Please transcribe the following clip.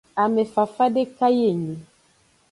Ame fafa deka yi enyi.